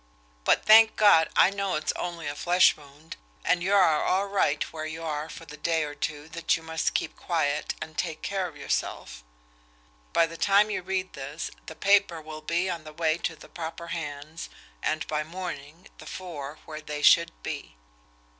But, thank God! I know it's only a flesh wound, and you are all right where you are for the day or two that you must keep quiet and take care of yourself. By the time you read this the paper will be on the way to the proper hands, and by morning the four where they should be.